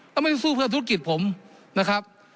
แล้วไม่ได้สู้เพื่อธุรกิจผมนะครับ